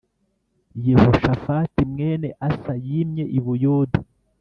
Yehoshafati mwene Asa yimye i Buyuda